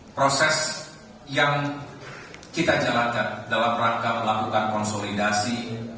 proses yang kita jalankan dalam rangka melakukan konsolidasi